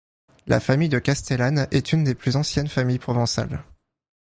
La famille de Castellane est une des plus anciennes familles provençales.